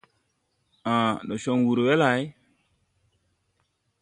Ãã, ndo con wur we lay?